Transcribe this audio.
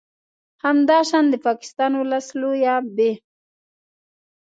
همداشان د پاکستان ولس لویه ب